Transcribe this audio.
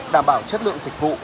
đảm bảo chất lượng dịch vụ